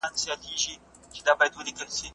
هغه څوک چې سپما نه کوي، پاتې راځي.